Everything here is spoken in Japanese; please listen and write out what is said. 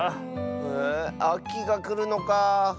へえあきがくるのかあ。